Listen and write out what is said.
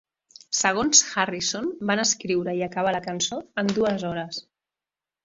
Segons Harrison, van escriure i acabar la cançó en dues hores.